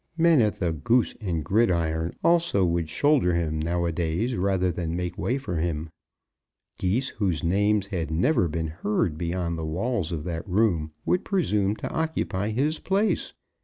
Men at the "Goose and Gridiron" also would shoulder him now a days, rather than make way for him. Geese whose names had never been heard beyond the walls of that room would presume to occupy his place.